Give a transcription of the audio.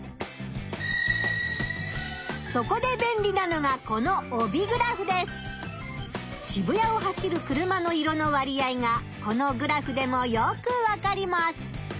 そこでべんりなのがこの渋谷を走る車の色の割合がこのグラフでもよくわかります。